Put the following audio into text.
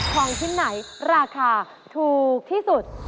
ของชิ้นไหนราคาถูกที่สุด